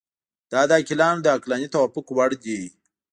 دا د عاقلانو د عقلاني توافق وړ دي.